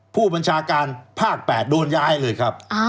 ผู้บัญชาการภาค๘โดนย้ายเลยครับ